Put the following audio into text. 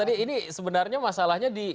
ini sebenarnya masalahnya di